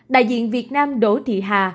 đại diện việt nam đỗ thị hà